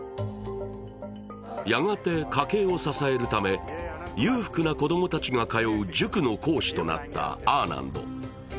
やがて家計を支えるため裕福な子供たちが通う塾の講師となったアーナンド。